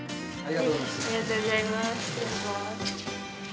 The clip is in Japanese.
ありがとうございます。